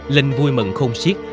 linh vui mừng khôn siết